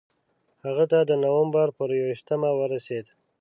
هغه ته د نومبر پر یوویشتمه ورسېد.